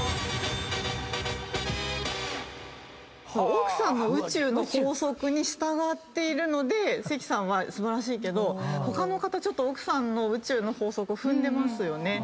奥さんの宇宙の法則に従っているので関さんは素晴らしいけど他の方ちょっと奥さんの宇宙の法則を踏んでますよね。